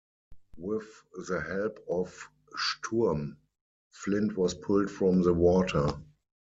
With the help of Sturm, Flint was pulled from the water.